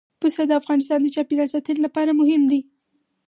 پسه د افغانستان د چاپیریال ساتنې لپاره مهم دي.